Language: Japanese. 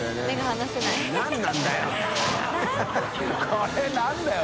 これ何だよ！